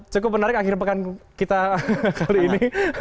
cukup menarik akhir pekan kita kali ini